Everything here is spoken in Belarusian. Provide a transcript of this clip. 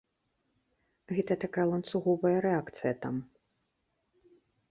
Гэта такая ланцуговая рэакцыя там.